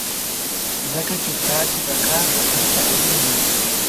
ځکه چې ستاسې بقا تر هر څه اړينه وي.